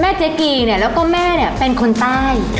เจ๊กีเนี่ยแล้วก็แม่เนี่ยเป็นคนใต้